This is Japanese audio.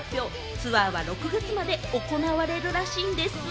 ツアーは６月まで行われるらしいんです。